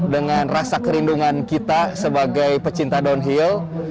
dengan rasa kerindungan kita sebagai pecinta downhill